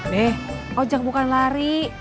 be ojak bukan lari